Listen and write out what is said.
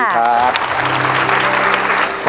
สวัสดีครับ